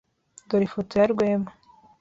Dore ifoto ya Rwema.